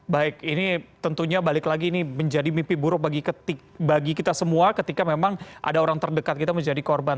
baik ini tentunya balik lagi ini menjadi mimpi buruk bagi kita semua ketika memang ada orang terdekat kita menjadi korban